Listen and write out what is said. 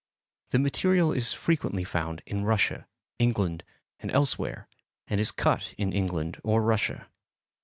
The material is frequently found in Russia, England, and elsewhere, and is cut in England or Russia.